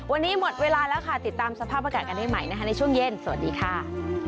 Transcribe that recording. วันนี้หมดเวลาแล้วค่ะติดตามสภาพอากาศกันได้ใหม่นะคะในช่วงเย็นสวัสดีค่ะ